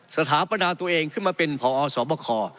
สถาปนาตัวเองขึ้นมาเป็นพอสบค